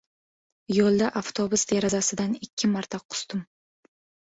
Yo‘lda avtobus derazasidan ikki marta qusdim.